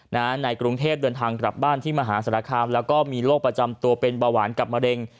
ในกรุงเทพเดินทางกลับบ้านที่มหาศาลคามแล้วก็มีโรคประจำตัวเป็นเบาหวานกับมะเร็ง